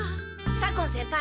左近先輩